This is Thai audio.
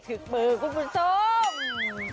ถึงเลขถึงมือคุณสม